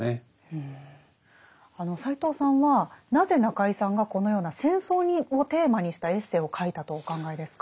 斎藤さんはなぜ中井さんがこのような戦争をテーマにしたエッセイを書いたとお考えですか？